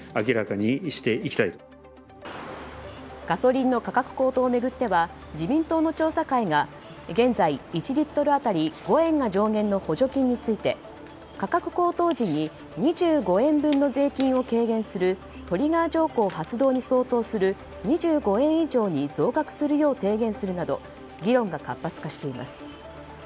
ガソリンの価格高騰を巡っては自民党の調査会が現在１リットル当たり５円が上限の補助金について価格高騰時に２５円分の税金を軽減するトリガー条項に相当する２５円以上に増額するよう提言するなど議論が活発化しています。